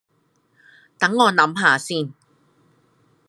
等我諗吓先